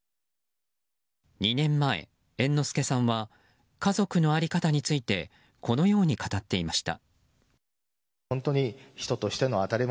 ２年前、猿之助さんは家族の在り方についてこのように語っていました。